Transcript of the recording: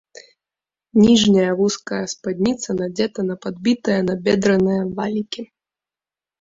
Ніжняя вузкая спадніца надзета на падбітыя набедраныя валікі.